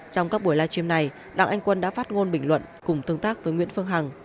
trong các buổi live stream này đảng anh quân đã phát ngôn bình luận cùng tương tác với nguyễn phương hằng